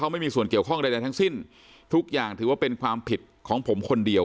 ไม่มีส่วนเกี่ยวข้องใดทั้งสิ้นทุกอย่างถือว่าเป็นความผิดของผมคนเดียว